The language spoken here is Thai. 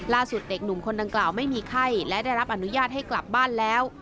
เด็กหนุ่มคนดังกล่าวไม่มีไข้และได้รับอนุญาตให้กลับบ้านแล้ว